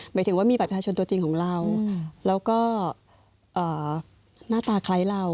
หมายถึงว่ามีบัตรประชาชนตัวจริงของเราอืมแล้วก็อ่าหน้าตาใครเรา